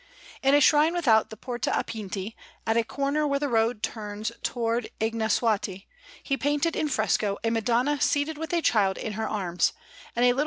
In a shrine without the Porta a Pinti, at a corner where the road turns towards the Ingesuati, he painted in fresco a Madonna seated with a Child in her arms, and a little S.